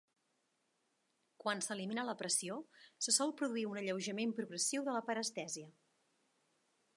Quan s'elimina la pressió, se sol produir un alleujament progressiu de la parestèsia.